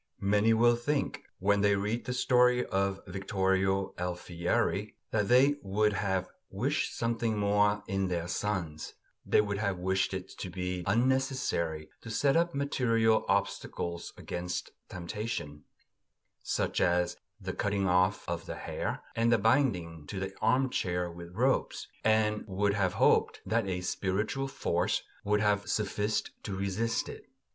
Many will think, when they read the story of Vittorio Alfieri, that they would have wished something more in their sons; they would have wished it to be unnecessary to set up material obstacles against temptation, such as the cutting off of the hair and the binding to the armchair with ropes; and would have hoped that a spiritual force would have sufficed to resist it.